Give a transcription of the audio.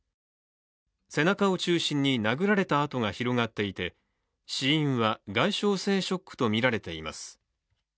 背中を中心に殴られた痕が広がっていて死因は外傷性ショックとみられています。